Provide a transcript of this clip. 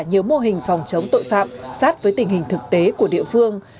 nhiều mô hình phòng chống tội phạm sát với tình hình thực tế của địa phương